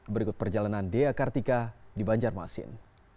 berikut perjalanan dea kartika di banjarmasin